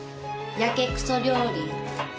やけくそ料理？